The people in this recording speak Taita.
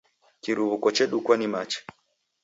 Kiruw'uko chedukwa ni machi.